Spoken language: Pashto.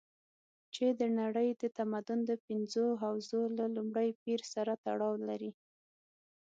چې د نړۍ د تمدن د پنځو حوزو له لومړي پېر سره تړاو لري.